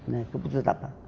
nah keputusan apa